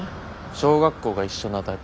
小学校が一緒なだけ。